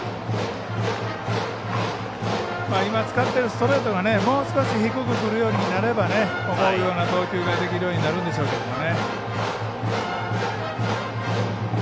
今使ってるストレートがもう少し低くくるようになれば思うような投球ができるようになるんでしょうけどね。